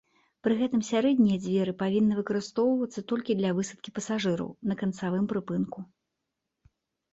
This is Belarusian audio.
Пры гэтым сярэдняя дзверы павінны выкарыстоўвацца толькі для высадкі пасажыраў на канцавым прыпынку.